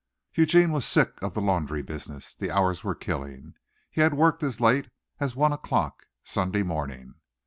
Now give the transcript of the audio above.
Eugene was sick of the laundry business. The hours were killing. He had worked as late as one o'clock Sunday morning.